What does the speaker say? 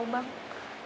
kamu balik balik aja ya